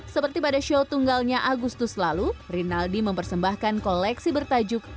seperti pada show tunggalnya agustus lalu rinaldi mempersembahkan koleksi bertajuk